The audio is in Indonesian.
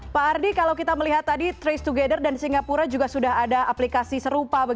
pak ardi kalau kita melihat tadi trace together dan singapura juga sudah ada aplikasi serupa